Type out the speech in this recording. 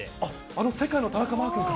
あの世界の田中マー君と。